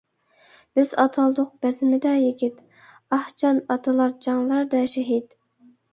بىز ئاتالدۇق بەزمىدە يىگىت، ئاھ، جان ئاتىلار جەڭلەردە شېھىت.